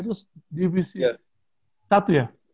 terus divisi satu ya